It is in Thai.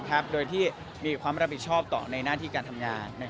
โดยที่มีความรับผิดชอบต่อในหน้าที่การทำงาน